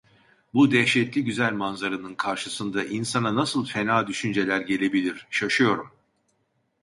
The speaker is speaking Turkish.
Bu dehşetli güzel manzaranın karşısında insana nasıl fena düşünceler gelebilir, şaşıyorum.